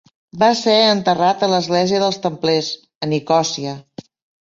Va ser enterrat a l'església dels Templers, a Nicòsia.